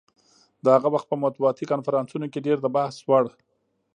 د هغه وخت په مطبوعاتي کنفرانسونو کې ډېر د بحث وړ.